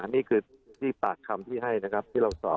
นี้คือปากคลัมที่ให้ที่เราสอบ